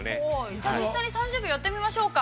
◆じゃあ、実際に、３０秒やってみましょうか。